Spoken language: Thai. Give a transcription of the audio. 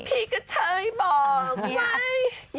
พี่กะเทยบอกว่าอย่าร้องไทย